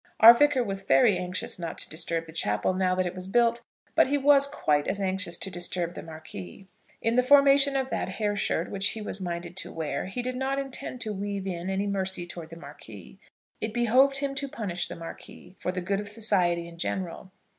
Our Vicar was very anxious not to disturb the chapel now that it was built; but he was quite as anxious to disturb the Marquis. In the formation of that hair shirt which he was minded to wear, he did not intend to weave in any mercy towards the Marquis. It behoved him to punish the Marquis, for the good of society in general.